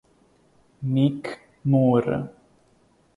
Nick Moore